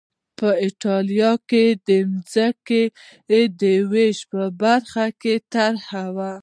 په اېټالیا کې د ځمکو د وېش په برخه کې طرحه وه